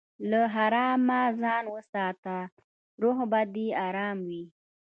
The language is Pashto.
له حرامه ځان وساته، روح به دې ارام وي.